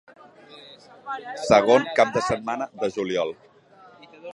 Segon cap de setmana de juliol.